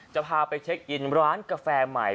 จะพาไปเช็คอินร้านกาแฟใหม่